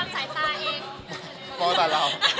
แล้วร้อน